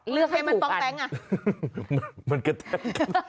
เลือกให้มันอันตราย